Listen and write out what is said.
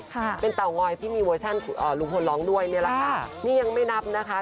ค่ะเป็นเตางอยที่มีเวอร์ชันเอ่อลุงพลร้องด้วยเนี่ยแหละค่ะนี่ยังไม่นับนะคะ